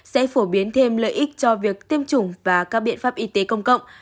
sẽ phổ biến thêm lợi ích cho việc tiêm chủng và các biện pháp y tế công cộng